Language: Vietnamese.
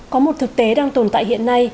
có một thực tế đang tồn tại hiện nay